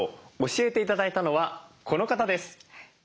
教えて頂いたのはこの方です。